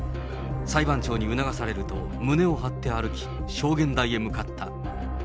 裁判長に促されると、胸を張って歩き、証言台へ向かった。